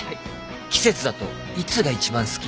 季節だといつが一番好き？